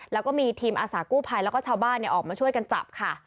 แล้วก็มีทีมอาสากู้ภัยแล้วก็ชาวบ้านออกมาช่วยกันจับค่ะ